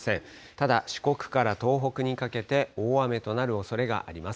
ただ、四国から東北にかけて、大雨となるおそれがあります。